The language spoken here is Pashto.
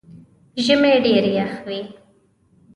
ژمئ ډېر يخ وي